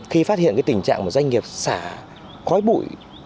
khi phát hiện cái tình trạng một doanh nghiệp xả khói bụi